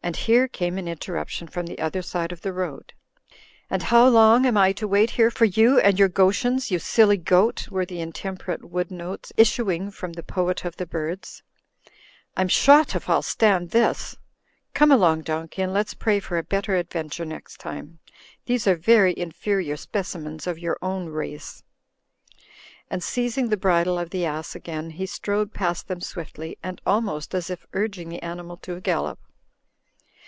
" And here came an interruption from the other side of the road. "And how long am I to wait here for you and your Goschens, you silly goat," were the intemperate wood notes issuing from the Poet of the Birds. "I'm shot if I'll stand this ! Come along, donkey, and let's pray for a better adventure next time. These are very in ferior specimens of your own race." And seizing the bridle of the ass again, he strode past them swiftly, and almost as if urging the animal to a gallop.